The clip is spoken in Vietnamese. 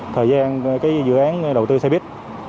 thời gian cái dự án đầu tư xe buýt